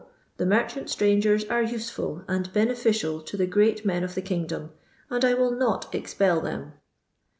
the mer chanWtBUigen are useful and beneficial to the great nen of the kingdom, and I will not ex pel them.